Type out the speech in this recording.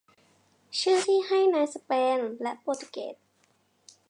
ชื่อที่ให้ในสเปนและโปรตุเกส